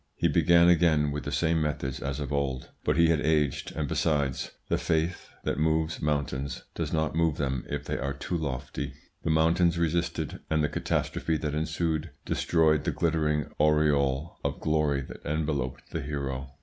He began again with the same methods as of old; but he had aged, and, besides, the faith that moves mountains does not move them if they are too lofty. The mountains resisted, and the catastrophe that ensued destroyed the glittering aureole of glory that enveloped the hero.